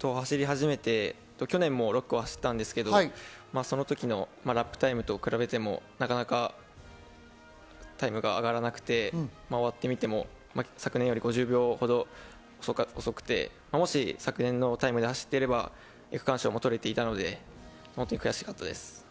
走り始めて、去年も６区を走ったんですけど、その時のラップタイムと比べてもなかなかタイムが上がらなくて、終わってみても昨年より５０秒ほど遅くてもし昨年のタイムで走っていれば、区間賞も取れていたので本当に悔しかったです。